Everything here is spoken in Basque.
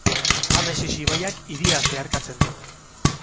Tamesis ibaiak hiria zeharkatzen du.